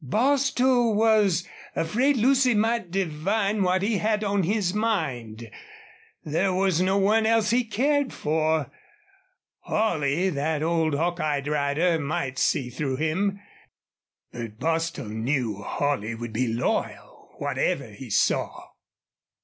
Bostil was afraid Lucy might divine what he had on his mind. There was no one else he cared for. Holley, that old hawk eyed rider, might see through him, but Bostil knew Holley would be loyal, whatever he saw.